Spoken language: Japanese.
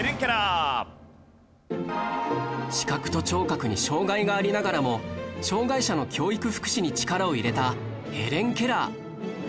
視覚と聴覚に障害がありながらも障害者の教育・福祉に力を入れたヘレン・ケラー